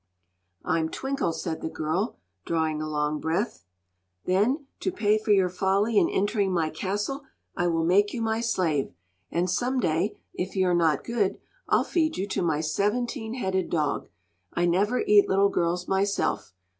"I'm Twinkle," said the girl, drawing a long breath. "Then, to pay you for your folly in entering my castle, I will make you my slave, and some day, if you're not good, I'll feed you to my seventeen headed dog. I never eat little girls myself.